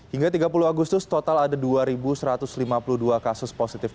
hingga tiga puluh agustus total ada dua satu ratus lima puluh dua kasus positif